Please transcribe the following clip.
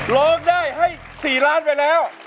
ร้องได้ให้๔ล้านไปแล้ว